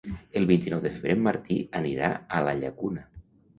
El vint-i-nou de febrer en Martí anirà a la Llacuna.